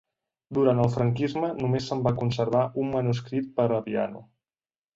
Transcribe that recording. Durant el Franquisme només se'n va conservar un manuscrit per a piano.